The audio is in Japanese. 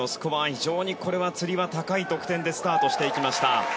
非常にこれはつり輪、高い得点でスタートしていきました。